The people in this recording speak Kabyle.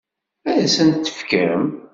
Ad asen-t-tefkem?